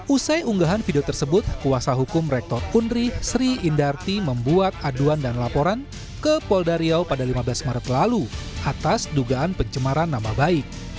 usai unggahan video tersebut kuasa hukum rektor unri sri indarti membuat aduan dan laporan ke polda riau pada lima belas maret lalu atas dugaan pencemaran nama baik